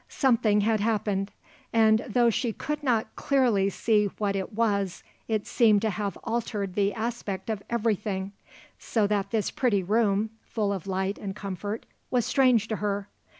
Something had happened, and though she could not clearly see what it was it seemed to have altered the aspect of everything, so that this pretty room, full of light and comfort, was strange to her.